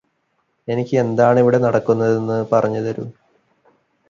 എനിക്ക് എന്താണിവിടെ നടക്കുന്നതെന്ന് പറഞ്ഞുതരു